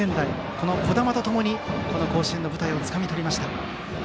この児玉と共に甲子園の舞台をつかみとりました。